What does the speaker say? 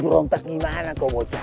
mau jontak gimana kau bocah